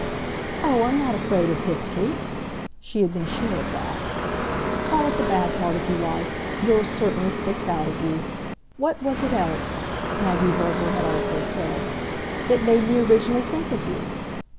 "Oh, I'm not afraid of history!" She had been sure of that. "Call it the bad part, if you like yours certainly sticks out of you. What was it else," Maggie Verver had also said, "that made me originally think of you?